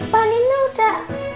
pak nino udah